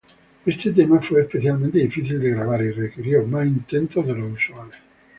Este tema fue especialmente difícil de grabar, y requirió más intentos de los usuales.